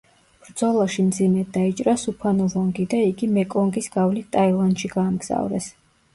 ბრძოლაში მძიმედ დაიჭრა სუფანუვონგი და იგი მეკონგის გავლით ტაილანდში გაამგზავრეს.